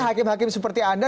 hakim hakim seperti anda